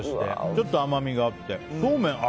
ちょっと甘みがあって。